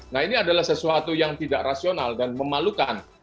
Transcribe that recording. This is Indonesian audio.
nah ini adalah sesuatu yang tidak rasional dan memalukan